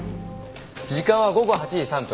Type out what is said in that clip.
時間は午後８時３分。